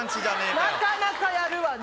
なかなかやるわね！